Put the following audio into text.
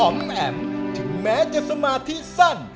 แอมถึงแม้จะสมาธิสั้น